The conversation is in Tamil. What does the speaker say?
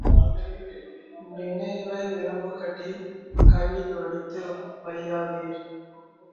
நினைவை விளம்புகட்டி, கல்லில் வடித்து வையாதீர்.